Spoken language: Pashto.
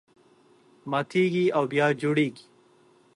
ماتېږي او بیا جوړېږي.